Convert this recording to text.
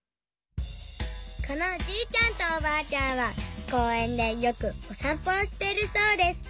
このおじいちゃんとおばあちゃんはこうえんでよくおさんぽをしているそうです。